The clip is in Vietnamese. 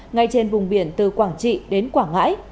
ngay trên vùng biển từ quảng trị đến quảng ngãi